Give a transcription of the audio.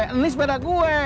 ini sepeda gua